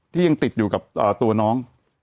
ที่ยังติดอยู่กับตัวน้อง